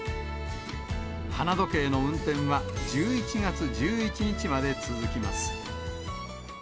花時計の運転は１１月１１日まで続きます。